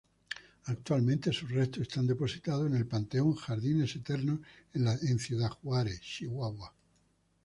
Actualmente sus restos están depositados en el Panteón Jardines Eternos en Ciudad Juárez, Chihuahua.